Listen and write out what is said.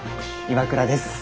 岩倉です。